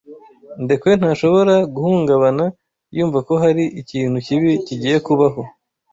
Ndekwe ntashobora guhungabana yumva ko hari ikintu kibi kigiye kubaho.